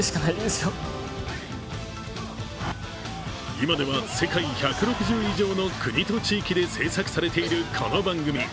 今では世界１６０以上の国と地域で制作されているこの番組。